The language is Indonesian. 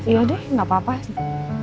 ya deh gak apa apa